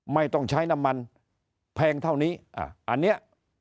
ไม่ต้องใช้น้ำมันแพงเท่านี้